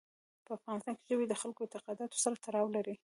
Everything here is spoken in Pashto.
په افغانستان کې ژبې د خلکو اعتقاداتو سره تړاو لري.